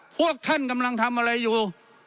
พวกท่านกำลังทำอะไรอยู่